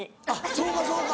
そうかそうか。